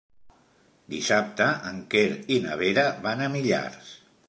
Dissabte en Quer i na Vera van a Millars.